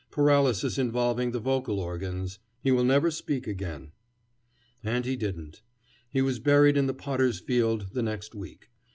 "Paralysis involving the vocal organs. He will never speak again." And he didn't. He was buried in the Potter's Field the next week.